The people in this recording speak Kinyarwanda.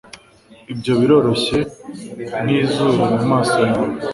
Ibyo biroroshye nkizuru mumaso yawe